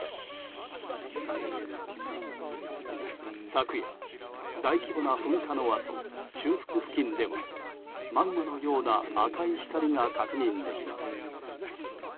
昨夜、大規模な噴火のあと中腹付近ではマグマのような赤い光が確認できます。